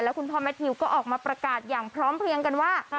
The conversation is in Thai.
คุณพ่อแมททิวก็ออกมาประกาศอย่างพร้อมเพลียงกันว่า